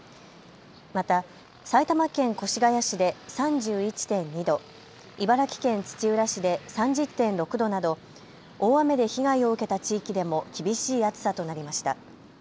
また埼玉県越谷市で３１．２度、茨城県土浦市で３０．６度など大雨で被害を受けた地域でも厳しい暑さとなりました。